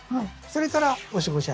それから。